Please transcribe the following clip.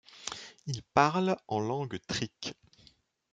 Ils parlent en langues triques.